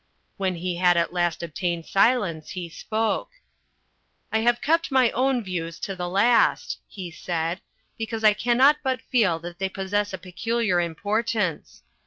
When he had at last obtained silence, he spoke. "I have kept my own views to the last," he said, "because I cannot but feel that they possess a peculiar importance.